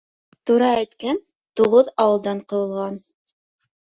Тура әйткән туғыҙ ауылдан ҡыуылған.